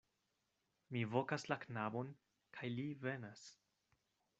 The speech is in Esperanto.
Mi vokas la knabon, kaj li venas.